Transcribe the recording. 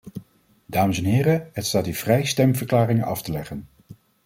Dames en heren, het staat u vrij stemverklaringen af te leggen.